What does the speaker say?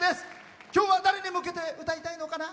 今日は誰に向けて歌いたいのかな？